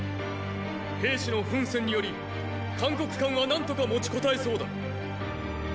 兵士の奮戦により函谷関は何とか持ちこたえそうだ。